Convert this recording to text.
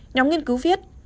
nhóm nghiên cứu viết